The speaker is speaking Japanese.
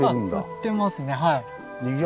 売ってますねはい。